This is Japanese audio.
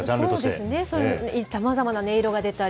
そうですね、さまざまな音色が出たり。